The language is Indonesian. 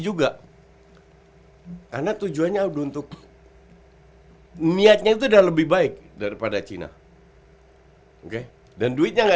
juga karena tujuannya untuk niatnya itu udah lebih baik daripada cina oke dan duitnya enggak